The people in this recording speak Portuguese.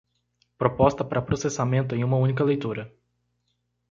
Proposta para processamento em uma única leitura.